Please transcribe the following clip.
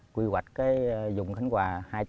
quy hoạch cái dùng khánh quà